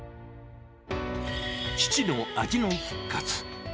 父の味の復活。